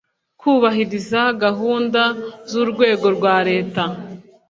kubahiriza gahunda z urwego rwa Leta